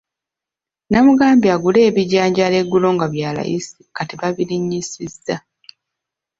Nnamugambye agule ebijanjaalo eggulo nga bya layisi kati baabirinnyisizza.